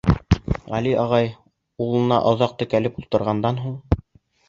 Гәли ағай, улына оҙаҡ текләп ултырғандан һуң: